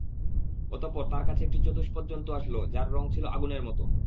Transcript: অতঃপর তাঁর কাছে একটি চতুষ্পদ জন্তু আসল যার রঙ ছিল আগুনের মতো।